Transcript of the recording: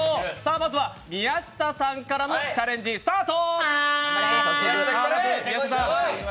まずは宮下さんからのチャレンジスタート！